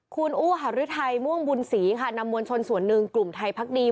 คุณอู้หารือไทยม่วงบุญศรีค่ะนำมวลชนส่วนหนึ่งกลุ่มไทยพักดี